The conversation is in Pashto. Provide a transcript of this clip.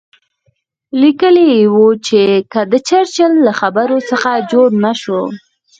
لیکلي یې وو چې که د چرچل له خبرو څه جوړ نه شو.